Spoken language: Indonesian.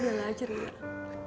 udah lah ceria